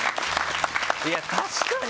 いや確かに！